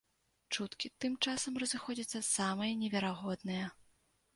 Чуткі тым часам разыходзяцца самыя неверагодныя.